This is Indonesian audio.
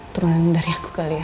turunan dari aku kali ya